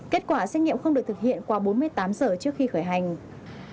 kết quả xét nghiệm không được thực hiện qua bốn mươi tám giờ trước khi khởi hành